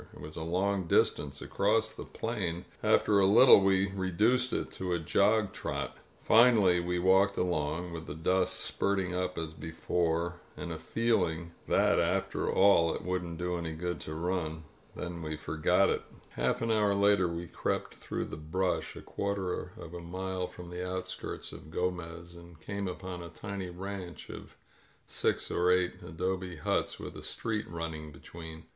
It was a long distance across the plain. After a little we reduced it to a jog trot. Finally we walked along, with the dust spurting up as before, and a feel ing that, after all, it wouldn't do any good to run. Then we forgot it. ••• Half an hour later we crept through the brush a quarter of a mile from the outskirts of Gomez and came upon a tiny ranch of six or eight adobe huts, with a street running between.